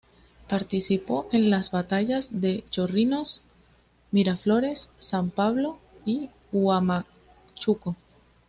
Participó en las batallas de Chorrillos, Miraflores, San Pablo y Huamachuco.